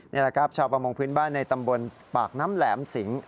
นี่แหละครับชาวประมงพื้นบ้านในตำบลปากน้ำแหลมสิง